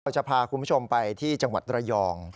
จะพาคุณผู้ชมไปที่จังหวัดระยอง